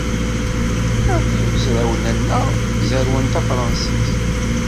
Akk imezrawen-nneɣ zerrwen tafṛansit.